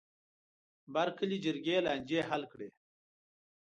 بر کلي جرګې لانجې حل کړې.